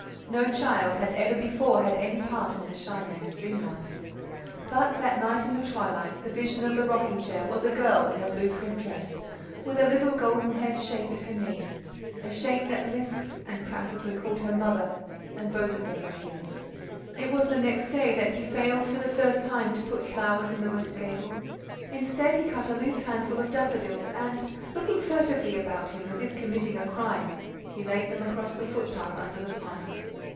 No child had ever before had any part in the shy man's dream life. But that night in the twilight the vision of the rocking chair was a girl in a blue print dress, with a little, golden haired shape at her knee a shape that lisped and prattled and called her "mother;" and both of them were his. It was the next day that he failed for the first time to put flowers in the west gable. Instead, he cut a loose handful of daffodils and, looking furtively about him as if committing a crime, he laid them across the footpath under the pine.